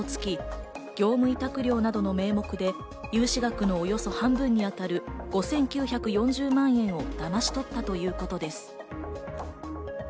こう嘘をつき、業務委託料などの名目で融資額のおよそ半分に当たる５９４０万円をだまし取ったということです。